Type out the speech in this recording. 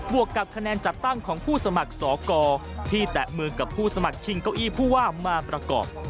วกกับคะแนนจัดตั้งของผู้สมัครสอกรที่แตะมือกับผู้สมัครชิงเก้าอี้ผู้ว่ามาประกอบ